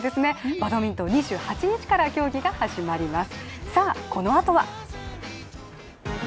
バドミントン、２８日から競技が始まります。